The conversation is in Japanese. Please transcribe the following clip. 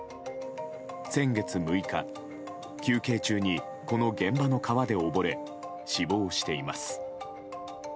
先月６日休憩中に、この現場の川で溺れ死亡しています。